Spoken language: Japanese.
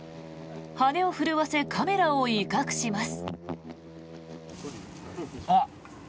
羽を震わせカメラを威嚇します。